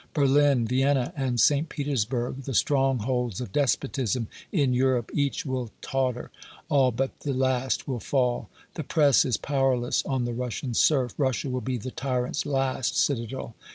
Berlin, Vienna and St. Petersburg, the strongholds of despotism in Europe, each will totter all but the last will fall. The press is powerless on the Russian serf. Russia will be the tyrant's last citadel.